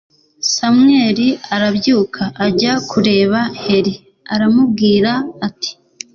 samweli arabyuka ajya kureba heli, aramubwira ati